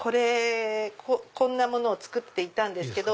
こんなものを作っていたんですけど。